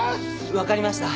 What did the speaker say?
分かりました。